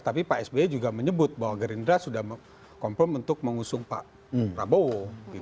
tapi pak sbe juga menyebut bahwa gerinda sudah mengusung pak prabowo